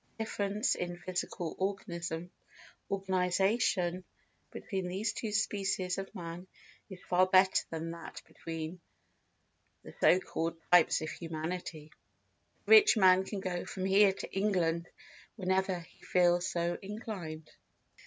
The difference in physical organisation between these two species of man is far greater than that between the so called types of humanity. The rich man can go from here to England whenever he feels so inclined.